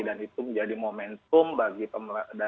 dan itu menjadi momentum bagi pemerintahan jokowi